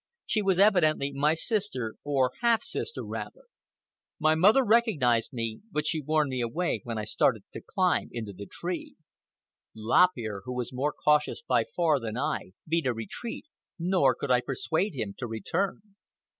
She was evidently my sister, or half sister, rather. My mother recognized me, but she warned me away when I started to climb into the tree. Lop Ear, who was more cautious by far than I, beat a retreat, nor could I persuade him to return.